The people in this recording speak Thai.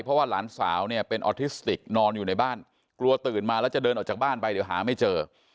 เพราะว่าหลานสาวเนี่ยเป็นออทิสติกนอนอยู่ในบ้านกลัวตื่นมาแล้วจะเดินออกจากบ้านไปเดี๋ยวหาไม่เจอ